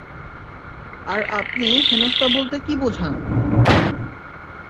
আর আপনি হেনস্থা বলতে কী বোঝান?